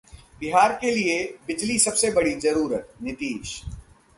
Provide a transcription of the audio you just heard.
बिहार के लिए बिजली सबसे बड़ी जरूरत: नीतीश